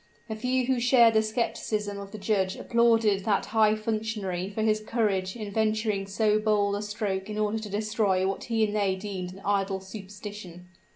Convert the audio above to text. The few who shared the skepticism of the judge applauded that high functionary for his courage in venturing so bold a stroke in order to destroy what he and they deemed an idle superstition.